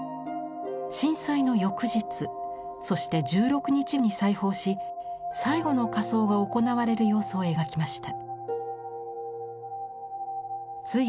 震災の翌日そして１６日に再訪し最後の火葬が行われる様子を描きました。